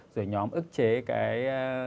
rồi nhóm ức chế cái